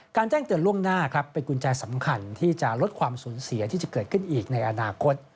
แจ้งเตือนล่วงหน้าครับเป็นกุญแจสำคัญที่จะลดความสูญเสียที่จะเกิดขึ้นอีกในอนาคต